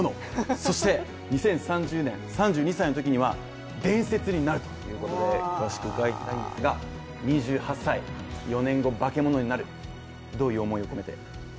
そして２０３０年、３２歳のときには伝説になるということで詳しく伺いたいんですが２８歳、４年後、化け物になるどういう思いを込めて？